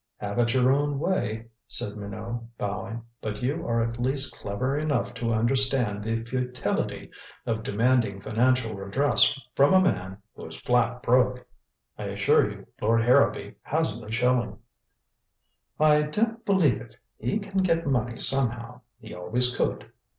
"Have it your own way," said Minot, bowing. "But you are at least clever enough to understand the futility of demanding financial redress from a man who is flat broke. I assure you Lord Harrowby hasn't a shilling." "I don't believe it. He can get money somehow. He always could.